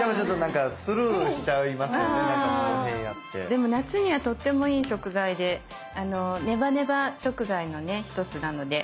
でも夏にはとってもいい食材でネバネバ食材のね一つなので。